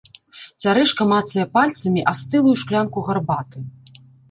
Цярэшка мацае пальцамі астылую шклянку гарбаты.